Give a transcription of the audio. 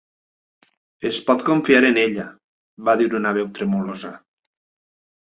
"Es pot confiar en ella", va dir en una veu tremolosa.